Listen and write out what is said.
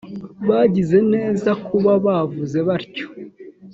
bagize neza kuba bavuze batyo!